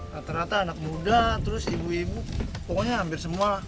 rata rata anak muda terus ibu ibu pokoknya hampir semua